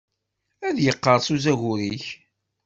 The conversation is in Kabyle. Ad yeqqerṣ uzagur-ik.